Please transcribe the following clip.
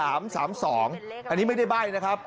อันนี้ไม่ได้ใบ้นะครับ